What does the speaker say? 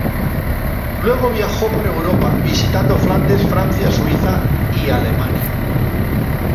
Luego viajó por Europa, visitando Flandes, Francia, Suiza y Alemania.